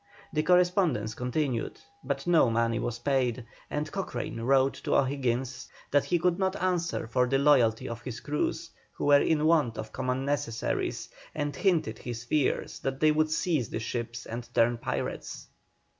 The correspondence continued, but no money was paid, and Cochrane wrote to O'Higgins that he could not answer for the loyalty of his crews, who were in want of common necessaries, and hinted his fears that they would seize the ships and turn pirates.